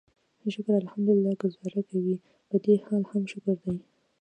شکر الحمدلله ګوزاره کوي، پدې حال هم شکر دی.